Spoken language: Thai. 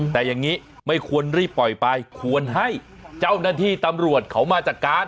แต่อย่างนี้ไม่ควรรีบปล่อยไปควรให้เจ้าหน้าที่ตำรวจเขามาจัดการ